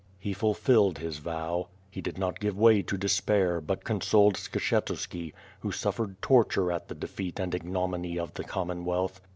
He fulfilled his vow. He did not give way to despair, but consoled Skshetuski, who suffered torture at the defeat and ignominy of the Common wealth.